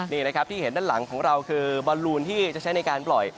นี่นะครับที่เห็นด้านหลังของเราคือบอลลูนที่จะใช้ในการปล่อย